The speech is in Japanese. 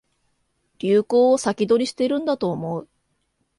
流行を先取りしてるんだと思う